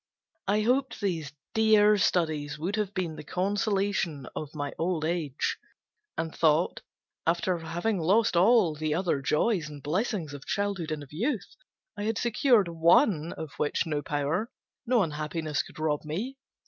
I hoped these dear studies would have been the consolation of my old age, and thought, after having lost all the other joys and blessings of childhood and of youth, I had secured one, of which no power, no unhappiness could rob me.